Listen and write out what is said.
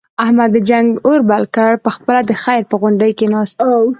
احمد د جنگ اور بل کړ، په خپله د خیر په غونډۍ کېناست.